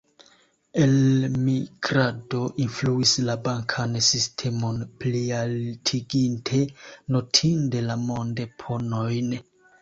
Elmigrado influis la bankan sistemon, plialtiginte notinde la mondeponojn.